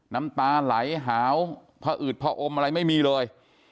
น้ำตาไหลหาวพออืดผอมอะไรไม่มีเลย